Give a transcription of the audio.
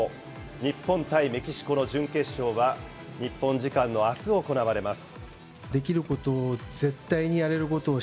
日本対メキシコの準決勝は、日本時間のあす行われます。